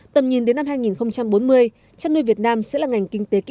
tầm nhìn đến năm hai nghìn bốn mươi chăn nuôi việt nam sẽ là ngành kinh tế kỹ thuật